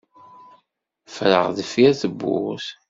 Ffreɣ deffir tewwurt.